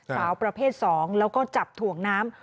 สาวประเภท๒แล้วก็จับถ่วงน้ำ